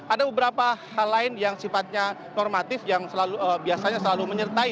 ada beberapa hal lain yang sifatnya normatif yang biasanya selalu menyertai